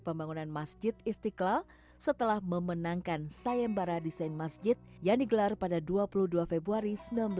pembangunan masjid istiqlal setelah memenangkan sayembara desain masjid yang digelar pada dua puluh dua februari seribu sembilan ratus empat puluh